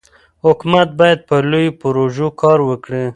حکومت باید په لویو پروژو کار وکړي.